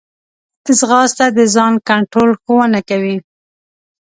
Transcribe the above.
ځغاسته د ځان کنټرول ښوونه کوي